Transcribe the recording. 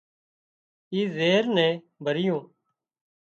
اي زهر ني ڀريون